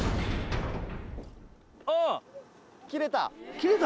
切れた？